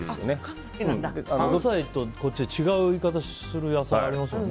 関西とこっちで違う言い方する野菜ってありますよね。